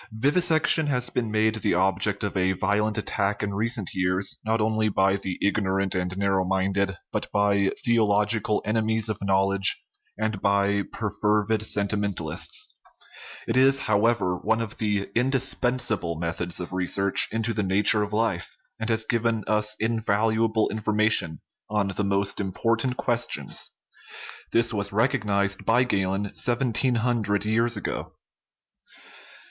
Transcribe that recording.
Vivisection has been made the object of a violent attack in recent years, not only by the ignorant and narrow minded, but by theological enemies of knowledge and by perfervid sentimentalists ; it is, however, one of the indispensa ble" methods of research into the nature of life, and has given us invaluable information on the most impor tant questions. This was recognized by Galen seven teen hundred years ago.